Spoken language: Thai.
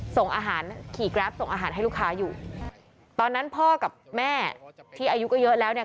ส่งอาหารขี่แกรปส่งอาหารให้ลูกค้าอยู่ตอนนั้นพ่อกับแม่ที่อายุก็เยอะแล้วเนี่ย